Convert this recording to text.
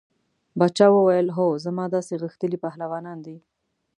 باچا وویل هو زما داسې غښتلي پهلوانان دي.